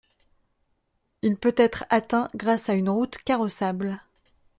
Il peut être atteint grâce à une route carrossable.